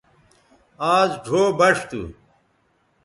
آز ڙھو بݜ تھو